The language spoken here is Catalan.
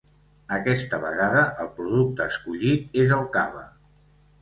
Aquesta vegada el producte escollit és el cava.